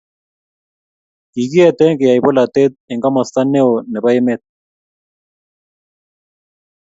Kikietee kiyaie polatet eng komosto neo nebo emet